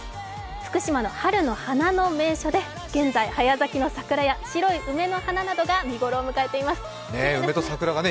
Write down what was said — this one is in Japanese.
福島の春の花の名所で、現在、早咲きの桜や白い梅の花などが見頃を迎えているということです。